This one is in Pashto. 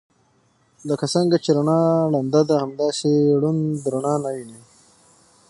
لکه څنګه چې رڼا ړنده ده همداسې ړوند رڼا نه ويني.